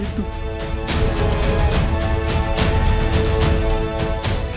siapa kau sebenarnya disana